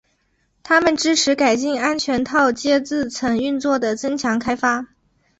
它们支持改进安全套接字层运作的增强开发。